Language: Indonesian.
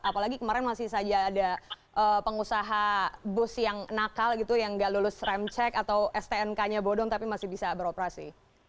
apalagi kemarin masih saja ada pengusaha bus yang nakal gitu yang nggak lulus rem cek atau stnk nya bodong tapi masih bisa beroperasi